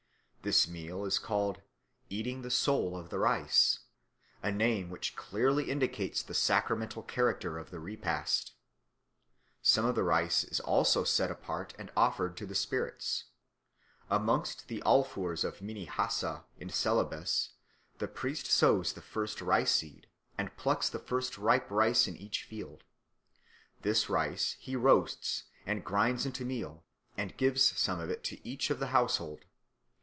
This meal is called "eating the soul of the rice," a name which clearly indicates the sacramental character of the repast. Some of the rice is also set apart and offered to the spirits. Amongst the Alfoors of Minahassa, in Celebes, the priest sows the first rice seed and plucks the first ripe rice in each field. This rice he roasts and grinds into meal, and gives some of it to each of the household.